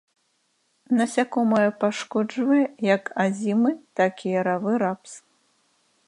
Насякомае пашкоджвае як і азімы, так і яравы рапс.